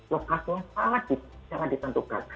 lokasinya sangat disentukan